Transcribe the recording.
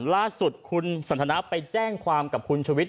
ล่าสุดคุณสันทนาไปแจ้งความกับคุณชุวิต